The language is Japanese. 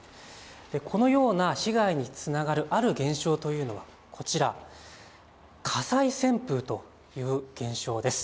このような被害につながるある現象というのはこちら、火災旋風という現象です。